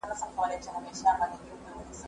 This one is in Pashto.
امادګي د ښوونکي له خوا منظم کيږي!